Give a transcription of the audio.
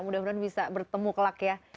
mudah mudahan bisa bertemu kelak ya